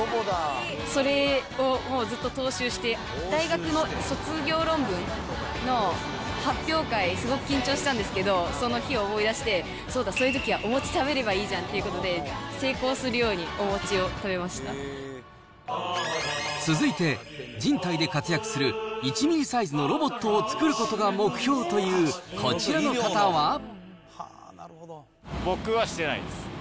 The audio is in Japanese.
それをもう、ずっと踏襲して、大学の卒業論文の発表会、すごく緊張したんですけど、その日を思い出して、そうだ、そういうときはお餅食べればいいじゃんということで、成功するよ続いて、人体で活躍する１ミリサイズのロボットを作ることが目標という、僕はしてないです。